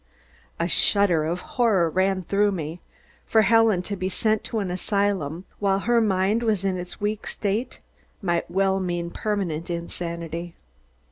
A shudder of horror ran through me. For Helen to be sent to an asylum while her mind was in its weak state might well mean permanent insanity.